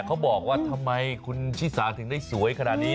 เขาบอกว่าทำไมคุณชิสาถึงได้สวยขนาดนี้